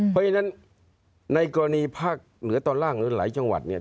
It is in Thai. เพราะฉะนั้นในกรณีภาคเหนือตอนล่างหรือหลายจังหวัดเนี่ย